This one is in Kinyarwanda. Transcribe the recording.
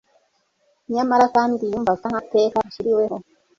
nyamara kandi yumvaga nta teka aciriweho